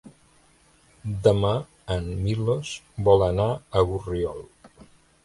Demà en Milos vol anar a Borriol.